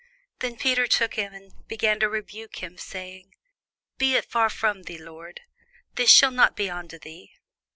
Then Peter took him, and began to rebuke him, saying, Be it far from thee, Lord: this shall not be unto thee.